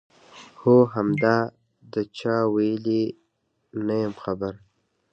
هو همدا، دا چا ویلي؟ نه یم خبر.